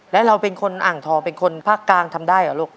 แล้วเราเป็นคนอ่างทองเป็นคนภาคกลางทำได้เหรอลูก